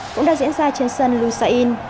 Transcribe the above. cũng đã diễn ra trên sân lusain